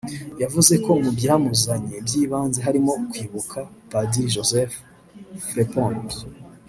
yavuze ko mu byamuzanye by’ibanze harimo kwibuka Padiri Joseph Fraipont